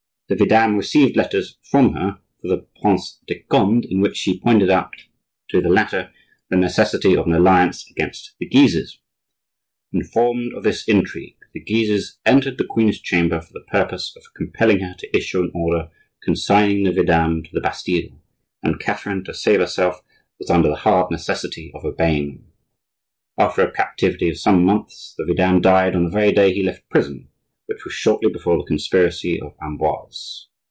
The vidame received letters from her for the Prince de Conde, in which she pointed out to the latter the necessity of an alliance against the Guises. Informed of this intrigue, the Guises entered the queen's chamber for the purpose of compelling her to issue an order consigning the vidame to the Bastille, and Catherine, to save herself, was under the hard necessity of obeying them. After a captivity of some months, the vidame died on the very day he left prison, which was shortly before the conspiracy of Amboise.